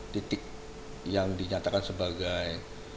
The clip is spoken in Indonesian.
titik yang dinyatakan sebagai